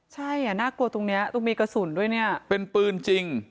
ใช่อ่ะน่ากลัวตรงเนี้ยตรงมีกระสุนด้วยเนี่ยเป็นปืนจริง